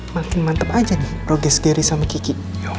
makin mantep aja nih proges geri sama kiki